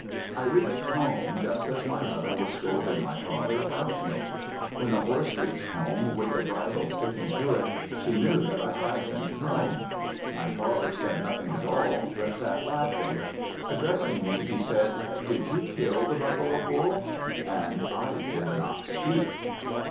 I reached home just as my mother was scolding my father about me. When the horse reached home with the bridle sticking to it, she knew that I had been thrown. My father said nothing at all, but sat laughing. Addressing me, he said, "Did you kill the buffalo bull?" And I did not speak.